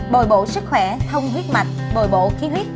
bồi bộ sức khỏe thông huyết mạch bồi bộ khi huyết